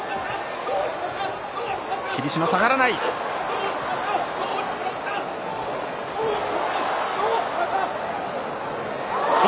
霧島、下がらない。